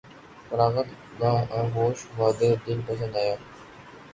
فراغت گاہ آغوش وداع دل پسند آیا